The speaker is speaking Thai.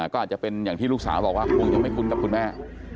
ก็อาจจะเป็นอย่างที่ลูกสาวบอกว่าคงจะไม่คุ้นกับคุณแม่